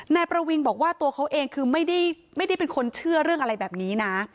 นายประวินบอกว่าตัวเขาเองคือไม่ได้เป็นคนเชื่อเรื่องอะไรแบบนี้นะ